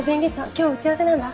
今日打ち合わせなんだ。